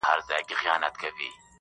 پر تندي يې شنه خالونه زما بدن خوري.